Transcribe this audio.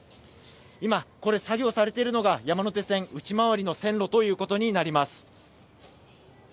今、作業されているのが山手線内回りの線路ということになります。